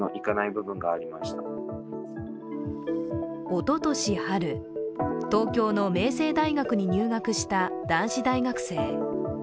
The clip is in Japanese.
おととし春、東京の明星大学に入学した男子大学生。